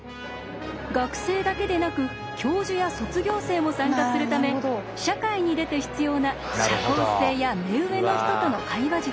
学生だけでなく教授や卒業生も参加するため社会に出て必要な社交性や目上の人との会話術